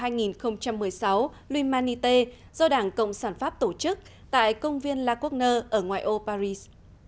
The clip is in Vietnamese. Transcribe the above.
l humanité do đảng cộng sản pháp tổ chức tại công viên la courneur ở ngoài ô paris